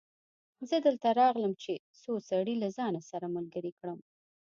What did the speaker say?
زه دلته راغلی يم چې څو سړي له ځانه سره ملګري کړم.